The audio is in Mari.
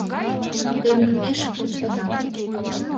— Теммеш кочкынам...